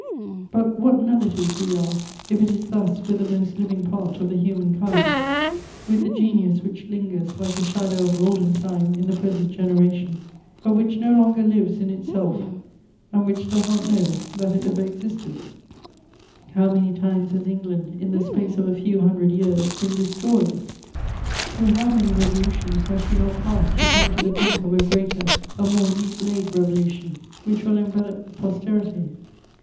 But what nullities we are, if it is thus with the most living part of the human kind, with the genius which lingers like a shadow of olden time in the present generation, but which no longer lives in itself and which does not know that it ever existed! [Sidenote: Changes in England.] How many times has England, in the space of a few hundred years, been destroyed? Through how many revolutions has she not passed to come to the brink of a greater, a more deep laid revolution, which will envelop posterity!